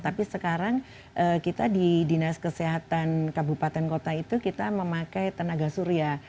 tapi sekarang kita di dinas kesehatan kabupaten kota itu kita memakai tenaga surya